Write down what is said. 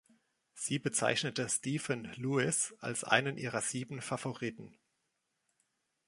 Sie bezeichnete Stephen Lewis als einen ihrer sieben Favoriten.